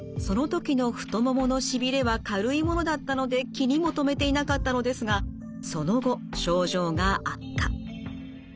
その時の太もものしびれは軽いものだったので気にも留めていなかったのですがその後症状が悪化。